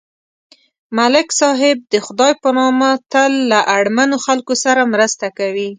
ملک صاحب د خدای په نامه تل له اړمنو خلکو سره مرسته کوي.